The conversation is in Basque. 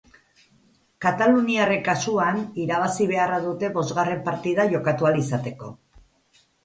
Kataluniarren kasuan, irabazi beharra dute bosgarren partida jokatu ahal izateko.